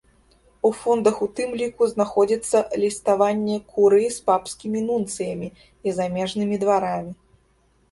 У фондах у тым ліку знаходзіцца ліставанне курыі з папскімі нунцыямі і замежнымі дварамі.